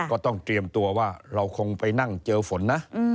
ก็ต้องเตรียมตัวว่าเราคงไปนั่งเจอฝนนะ